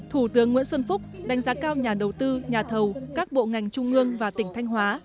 thủ tướng nguyễn xuân phúc đánh giá cao nhà đầu tư nhà thầu các bộ ngành trung ương và tỉnh thanh hóa